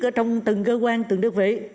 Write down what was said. ở trong từng cơ quan từng đất vệ